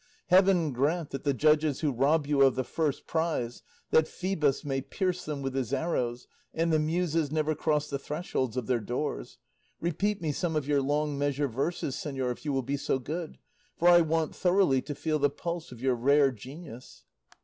Heaven grant that the judges who rob you of the first prize that Phoebus may pierce them with his arrows, and the Muses never cross the thresholds of their doors. Repeat me some of your long measure verses, señor, if you will be so good, for I want thoroughly to feel the pulse of your rare genius."